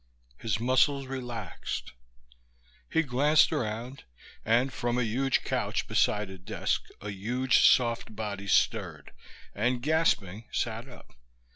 His muscles relaxed. He glanced around and, from a huge couch beside a desk, a huge soft body stirred and, gasping, sat up.